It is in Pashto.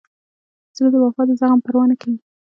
زړه د وفا د زخم پروا نه کوي.